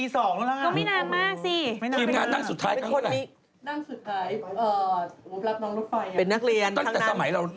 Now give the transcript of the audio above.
ไม่น่าเป็นเรื่องนี้นะครับเป็นคนนี้นั่งสุดท้ายอ๋อหัวพลับน้องรถไฟ